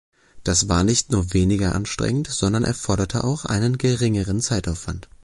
Das war nicht nur weniger anstrengend, sondern erforderte auch einen geringeren Zeitaufwand.